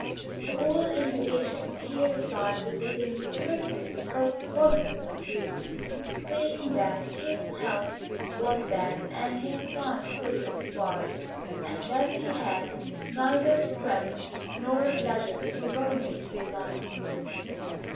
To all invitations he replied with the same courteous but positive refusal, saying that his health was bad and his time fully occupied, and that he had neither strength nor leisure for going into society.